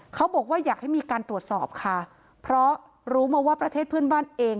เขาบอกว่าอยากให้มีการตรวจสอบค่ะเพราะรู้มาว่าประเทศเพื่อนบ้านเอง